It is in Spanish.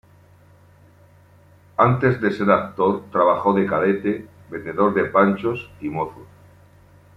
Antes de ser actor trabajó de cadete, vendedor de panchos y mozo.